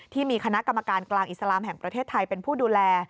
ที่มีคณะกรรมการกลางอิสลามแห่งประเทศไทยเป็นผู้ดูแล